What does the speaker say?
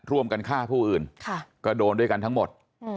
ร่วมกันฆ่าผู้อื่นก็โดนด้วยกันทั้งหมด